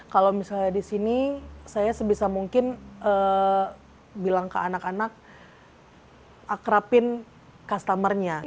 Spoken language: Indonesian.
kalau misalnya disini saya sebisa mungkin bilang ke anak anak akrapin customernya